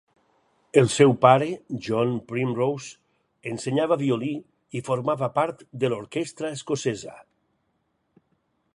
El seu pare, John Primrose, ensenyava violí i formava part de l'orquestra escocesa.